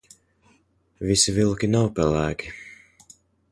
Visi vilki nav pelēki.